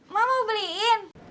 ma mau beliin